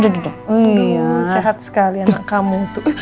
iya sehat sekali anak kamu tuh